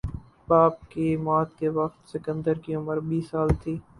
باپ کی موت کے وقت سکندر کی عمر بیس سال تھی